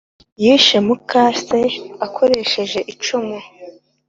yishe mukase akoresheje icuma